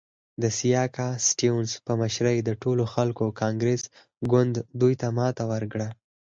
د سیاکا سټیونز په مشرۍ د ټولو خلکو کانګرس ګوند دوی ته ماته ورکړه.